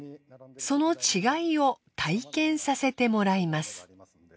その違いを体験させてもらいます。